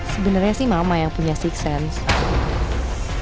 sebenarnya sih mama yang punya six sense